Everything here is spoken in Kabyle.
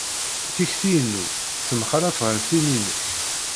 Tikti-inu temxalaf ɣef tin-inek.